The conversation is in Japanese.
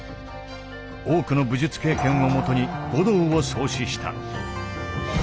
多くの武術経験をもとに護道を創始した。